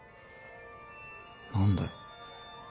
何だよ。